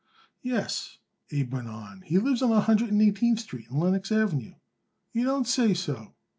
"Yes," Abe went on, "he lives on a Hundred and Eighteenth Street and Lenox Avenue." "You don't say so?"